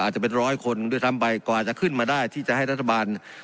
จะเป็นร้อยคนด้วยซ้ำไปกว่าจะขึ้นมาได้ที่จะให้รัฐบาล